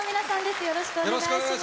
よろしくお願いします。